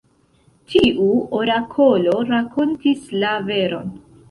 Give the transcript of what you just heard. Tiu orakolo rakontis la veron.